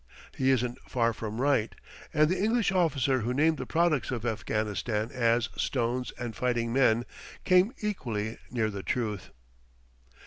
He isn't far from right; and the English officer who named the products of Afghanistan as "stones and fighting men" came equally near the truth.